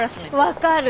分かる。